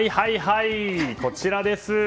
こちらです！